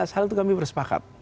tiga belas hal itu kami bersepakat